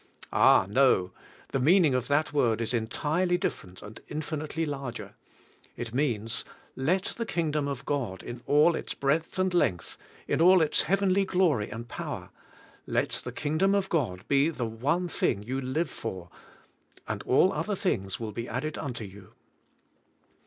Ah, no; the meaning of that word is entirely different and infinitely larger. It means: Let the Kingdom of God, in all its breadth and length, in all its Heavenly glory and power; let the Kingdom of God be the one thing you live for, and all other things will be added unto you.